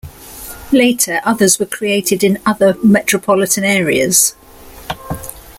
Later, others were created in other metropolitan areas.